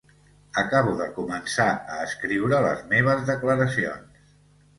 Acabo de començar a escriure les meves declaracions.